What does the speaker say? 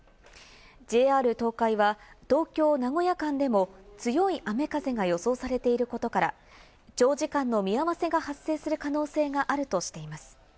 ＪＲ東海は東京−名古屋間でも強い雨風が予想されていることから、長時間の見合わせが発生する可能性があるとしています。